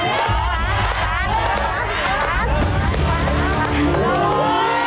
๑ล้าน